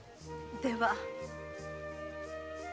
では。